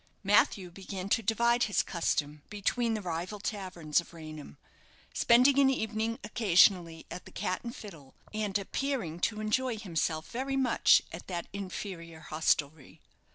Matthew began to divide his custom between the rival taverns of Raynham, spending an evening occasionally at the "Cat and Fiddle," and appearing to enjoy himself very much at that Inferior hostelry.